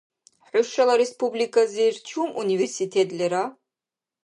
ХӀушала республикализир чум университет лера?